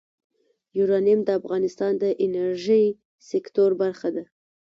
یورانیم د افغانستان د انرژۍ سکتور برخه ده.